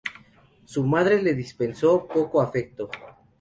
Su madre le dispensó poco afecto.